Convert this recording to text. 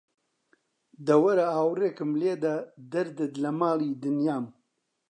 دە وەرە ئاوڕێکم لێدە، دەردت لە ماڵی دنیام